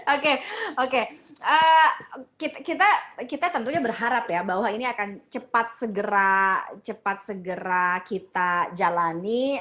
oke oke kita tentunya berharap ya bahwa ini akan cepat segera kita jalani